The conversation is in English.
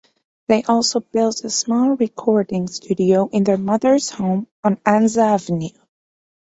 They also built a small recording studio in their mother's home on Anza Avenue.